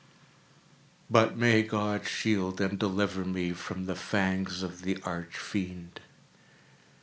But may God shield and deliver me from the fangs of the Arch Fiend!